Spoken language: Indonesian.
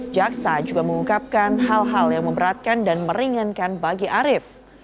jaksa juga mengungkapkan hal hal yang memberatkan dan meringankan bagi arief